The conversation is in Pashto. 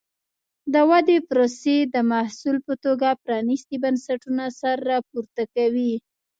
د ودې پروسې د محصول په توګه پرانیستي بنسټونه سر راپورته کوي.